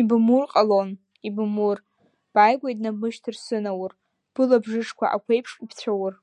Ибымур ҟалон, ибымур, бааигәа инабмышьҭыр сынаур, былабжышқәа ақәеиԥш ибцәаур…